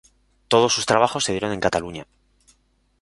Todos sus trabajos se dieron en Cataluña.